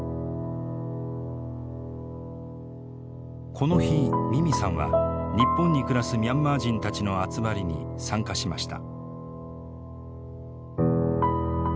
この日ミミさんは日本に暮らすミャンマー人たちの集まりに参加しました。